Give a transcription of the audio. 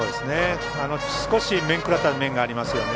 少し面食らった面がありますよね。